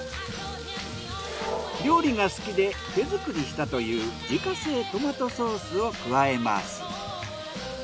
料理が好きで手作りしたという自家製トマトソースを加えます。